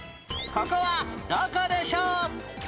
ここはどこでしょう？